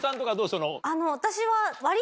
私は。